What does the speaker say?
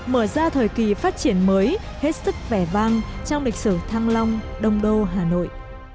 mở ra thời kỳ phát triển mới hết sức vẻ vang trong lịch sử thăng long đông đô hà nội